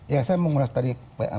ya saya mau ngeras tadi